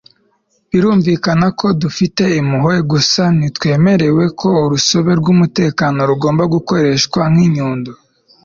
birumvikana ko dufite impuhwe. gusa ntitwemera ko urusobe rw'umutekano rugomba gukoreshwa nk'inyundo. - allen west